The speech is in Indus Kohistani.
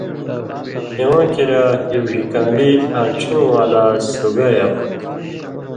(اِواں کِریا) ہیُو ڙِھکان٘لی آن٘ڇھیُوں والا سُگائیہ ہو تھی۔